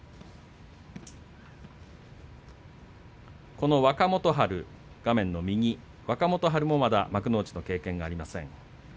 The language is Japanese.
この若元春、画面の右若元春もまだ幕内の経験がありません。